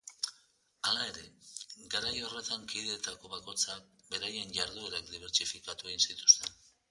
Hala ere, garai horretan kideetako bakoitzak beraien jarduerak dibertsifikatu egin zituzten.